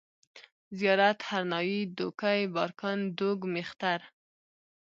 زيارت، هرنايي، دوکۍ، بارکن، دوگ، مېختر